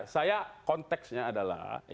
saya konteksnya adalah